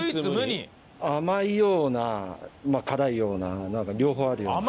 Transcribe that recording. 甘いような辛いようななんか両方あるような。